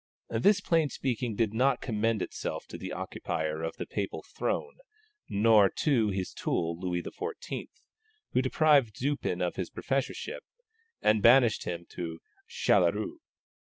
This plain speaking did not commend itself to the occupier of the Papal throne, nor to his tool Louis XIV., who deprived Dupin of his professorship and banished him to Châtelleraut.